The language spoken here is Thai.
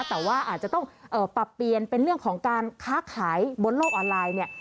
แต่ว่าอาจจะต้องปรับเปลี่ยนเป็นเรื่องของการค้าขายบนโลกออนไลน์เนี่ย